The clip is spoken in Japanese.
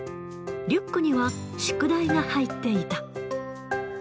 リュックには宿題が入っていた。